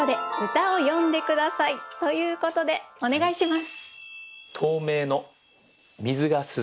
ということでお願いします。